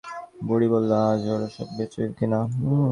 বুড়ি বলিল, আজ ওঁরা সব বেবিয়েচেন কিনা?